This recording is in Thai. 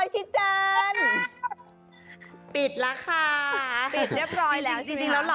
จริงแล้วรอพี่เปิ้ลนะ